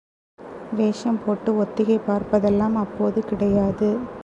வேஷம் போட்டு ஒத்திகை பார்ப்பதெல்லாம் அப்போது கிடையாது.